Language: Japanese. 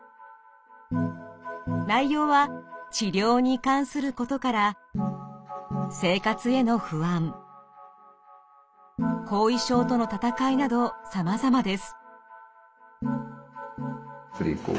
内容は治療に関することから生活への不安後遺症との闘いなどさまざまです。